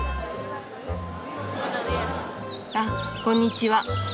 あっこんにちは！